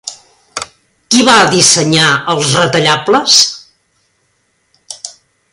Qui va dissenyar els retallables?